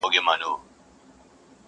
له رمباړو له زګېروي څخه سو ستړی!!